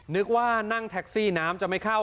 นึกว่านั่งแท็กซี่น้ำจะไม่เข้า